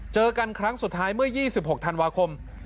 เจอกันครั้งสุดท้ายเมื่อ๒๖ธันวาคม